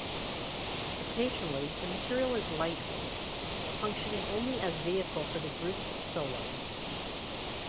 Occasionally, the material is lightweight, functioning only as vehicle for the group's solos.